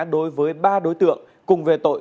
đối với ba đối tượng cùng về tội